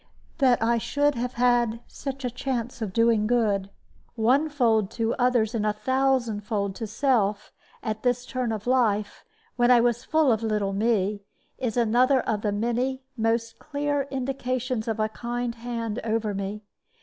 That I should have had such a chance of doing good, onefold to others and a thousandfold to self, at this turn of life, when I was full of little me, is another of the many most clear indications of a kind hand over me.